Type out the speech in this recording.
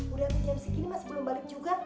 udah jam segini masih belum balik juga